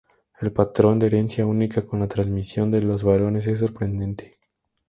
El patrón de herencia única, con la transmisión de los varones es sorprendente.